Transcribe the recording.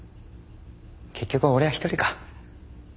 結局俺は一人か。